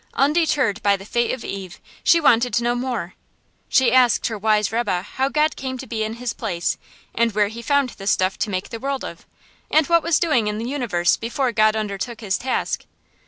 Undeterred by the fate of Eve, she wanted to know more. She asked her wise rebbe how God came to be in His place, and where He found the stuff to make the world of, and what was doing in the universe before God undertook His task.